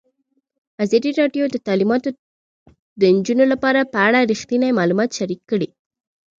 ازادي راډیو د تعلیمات د نجونو لپاره په اړه رښتیني معلومات شریک کړي.